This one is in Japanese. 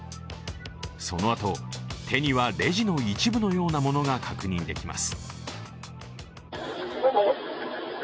そのあと、手にはレジの一部のようなものが確認できます。